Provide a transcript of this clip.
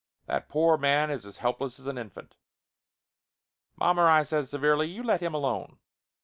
That poor man is as helpless as a infant!" "Mommer," I says severely, "you let him alone.